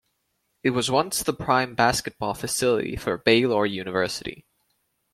It was once the prime basketball facility for Baylor University.